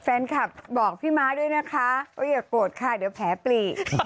แฟนคลับบอกพี่ม้าด้วยนะคะว่าอย่าโกรธค่ะเดี๋ยวแผลปลีก